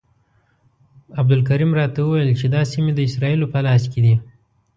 عبدالکریم راته وویل چې دا سیمې د اسرائیلو په لاس کې دي.